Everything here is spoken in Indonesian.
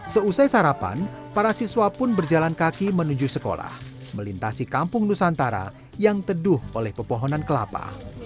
seusai sarapan para siswa pun berjalan kaki menuju sekolah melintasi kampung nusantara yang teduh oleh pepohonan kelapa